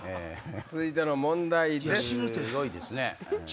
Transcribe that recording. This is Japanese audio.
続いての問題です。